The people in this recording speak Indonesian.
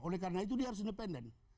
oleh karena itu dia harus independen